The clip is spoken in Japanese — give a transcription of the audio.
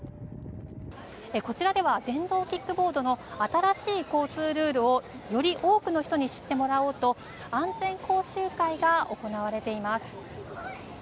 こちらでは電動キックボードの新しい交通ルールをより多くの人に知ってもらおうと安全講習会が行われています。